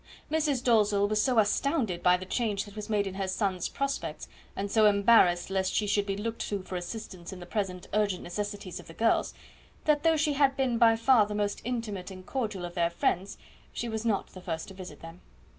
Mrs. Dalzell was so astounded by the change that was made in her son's prospects, and so embarrassed lest she should be looked to for assistance in the present urgent necessities of the girls, that though she had been by far the most intimate and cordial of their friends, she was not the first to visit them.